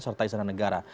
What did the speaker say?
serta istana negara